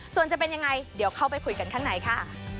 ส่วนจะเป็นยังไงเดี๋ยวเข้าไปคุยกันข้างในค่ะ